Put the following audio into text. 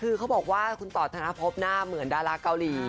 คือเขาบอกว่าคุณต่อธนภพหน้าเหมือนดาราเกาหลี